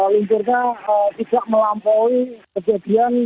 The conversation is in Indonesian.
lingkirnya tidak melampaui kejadian